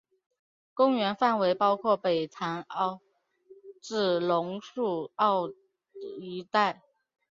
公园范围包括北潭凹至榕树澳一带。